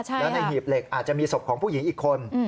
แล้วในหีบเหล็กอาจจะมีศพของผู้หญิงอีกคน